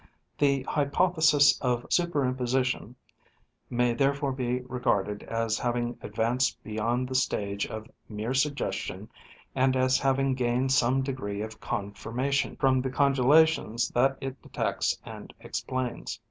The hypothesis of superiraposition may therefore be regarded as having advanced beyond the stage of mere suggestion and as having gained some degree of confirmation from the congelations that it detects and explains.